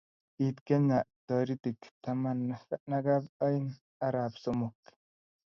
Kiit kenya eng torikit tamanak oeng arap somok